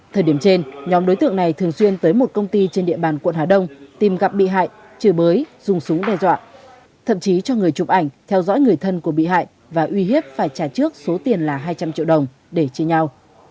thời điểm trên nhóm đối tượng này thường xuyên tới một công ty trên địa bàn quận hà đông tìm gặp bị hại chửi bới dùng súng đe dọa thậm chí cho người chụp ảnh theo dõi người thân của bị hại và uy hiếp phải trả trước số tiền là hai trăm linh triệu đồng để chia nhau